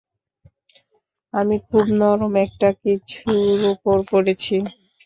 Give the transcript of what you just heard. আমি খুব নরম একটা কিছুর উপর পড়েছি।